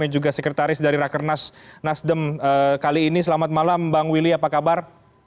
dan juga sekretaris dari rakernas nasdem kali ini selamat malam bang willy apa kabar